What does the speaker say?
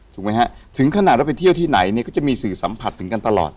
ถูกไหมฮะถึงขนาดเราไปเที่ยวที่ไหนเนี่ยก็จะมีสื่อสัมผัสถึงกันตลอด